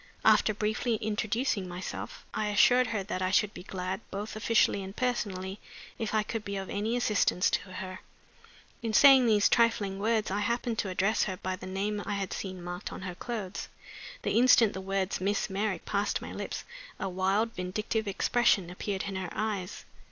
After briefly introducing myself, I assured her that I should be glad, both officially and personally, if I could be of any assistance to her. In saying these trifling words I happened to address her by the name I had seen marked on her clothes. The instant the words "Miss Merrick" passed my lips a wild, vindictive expression appeared in her eyes.